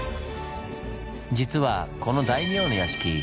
実はこの大名の屋敷